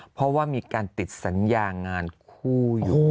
เพราะว่ามีการติดสัญญางานคู่อยู่